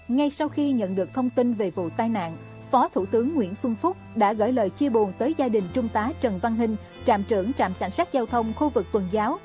ngay sau khi nhận được thông tin về vụ tai nạn phó thủ tướng nguyễn xuân phúc đã gửi lời chia buồn tới gia đình trung tá trần văn hình trạm trưởng trạm cảnh sát giao thông khu vực tuần giáo